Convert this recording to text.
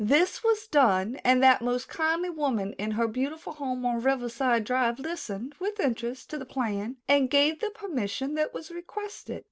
This was done, and that most kindly woman in her beautiful home on Riverside Drive listened with interest to the plan and gave the permission that was requested.